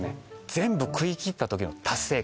全部食い切った時の達成感